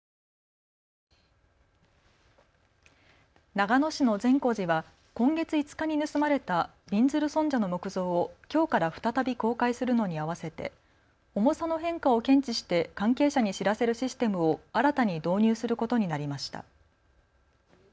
長野市の善光寺は今月５日に盗まれたびんずる尊者の木像をきょうから再び公開するのに合わせて重さの変化を検知して関係者に知らせるシステムを新たに導入することになりました。